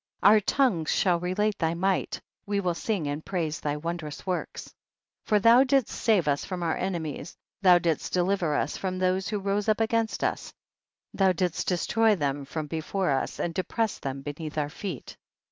20. Our tongues shall relate thy might, we will sing and praise thy wondrous works. 262 THE BOOK OF JASHER. 21 . For thou didst save us from our enemies, thou didst dehver us from those who rose up against us, thou didst destroy them from before us and depress them beneath our feet.